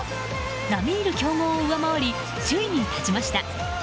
並み居る強豪を上回り首位に立ちました。